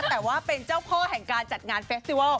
แต่ว่าเป็นเจ้าพ่อแห่งการจัดงานเฟสติวัล